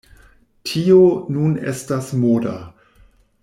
Tio nun estas moda.